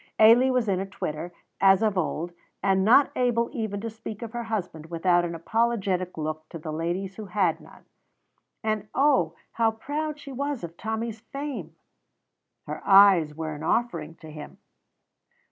Ailie was in a twitter, as of old, and not able even yet to speak of her husband without an apologetic look to the ladies who had none. And oh, how proud she was of Tommy's fame! Her eyes were an offering to him.